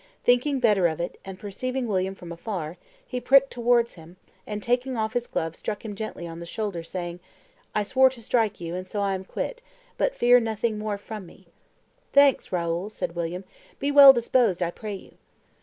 Thinking better of it, and perceiving William from afar, he pricked towards him, and taking off his glove struck him gently on the shoulder, saying, "I swore to strike you, and so I am quit: but fear nothing more from me." "Thanks, Raoul," said William; "be well disposed, I pray you."